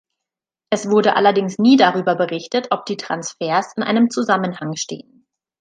Es wurde allerdings nie darüber berichtet, ob die Transfers in einem Zusammenhang stehen.